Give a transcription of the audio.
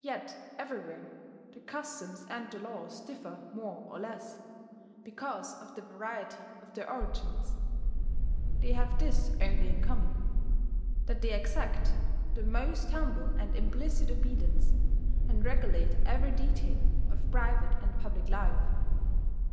Yet everywhere the customs and the laws differ more or less, because of the variety of their origins: they have this only in common, that they exact the most humble and implicit obedience, and regulate every detail of private and public life.